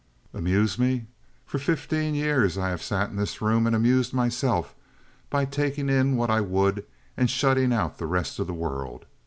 "Amuse me? For fifteen years I have sat in this room and amused myself by taking in what I would and shutting out the rest of the world.